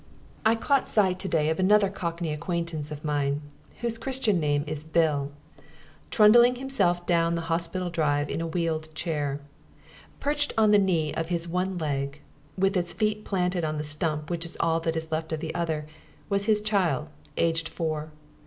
I caught sight to day of another cockney acquaintance of mine, whose Christian name is Bill, trundling himself down the hospital drive in a wheeled chair. Perched on the knee of his one leg, with its feet planted on the stump which is all that is left of the other, was his child, aged four.